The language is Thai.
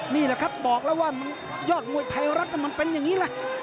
นี่แหละครับบอกแล้วว่ายอดมวยไทยรัฐมันเป็นอย่างนี้แหละ